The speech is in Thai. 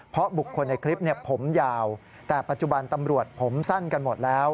เพราะบุคคลในคลิปผมยาวแต่ปัจจุบันตำรวจผมสั้นกันหมดแล้ว